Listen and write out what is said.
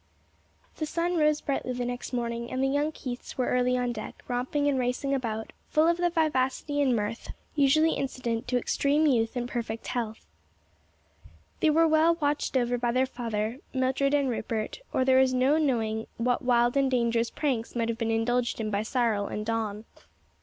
The sun rose brightly the next morning and the young Keiths were early on deck, romping and racing about, fall of the vivacity and mirth usually incident to extreme youth and perfect health. They were well watched over by their father, Mildred and Rupert, or there is no knowing what wild and dangerous pranks might have been indulged in by Cyril and Don.